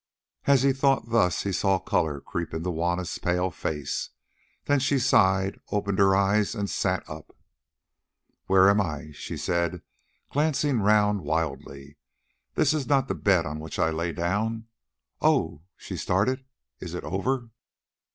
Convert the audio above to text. As he thought thus, he saw colour creep into Juanna's pale face; then she sighed, opened her eyes, and sat up. "Where am I?" she said, glancing round wildly. "This is not the bed on which I lay down. Oh!" she started, "is it over?"